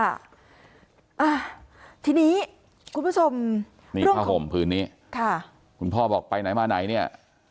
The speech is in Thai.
อ่าทีนี้คุณผู้ชมนี่ผ้าห่มผืนนี้ค่ะคุณพ่อบอกไปไหนมาไหนเนี่ย